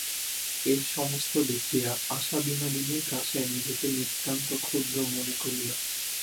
এই সমস্ত দেখিয়া আশা বিনোদিনীর কাছে নিজেকে নিতান্ত ক্ষুদ্র মনে করিল।